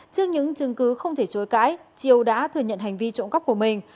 trước những chứng cứ không thể chối cãi chiêu đã thừa nhận hành vi trộm cắp của mình